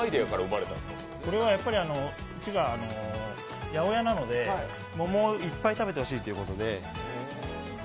これはうちが八百屋なので桃をいっぱい食べてほしいということで。